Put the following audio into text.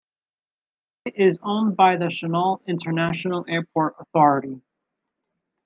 It is owned by the Chennault International Airport Authority.